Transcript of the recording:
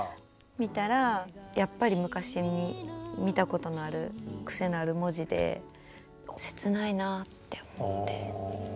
見たらやっぱり昔に見たことのあるクセのある文字でせつないなあって思って。